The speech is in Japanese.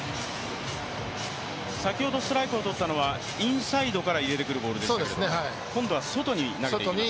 先ほどストライクを取ったのは、インサイドから入れてくるボールでしたけど、今度は外に投げた。